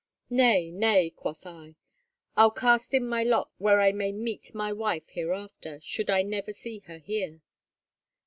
'Nay, nay,' quoth I, 'I'll cast in my lot where I may meet my wife hereafter, should I never see her here.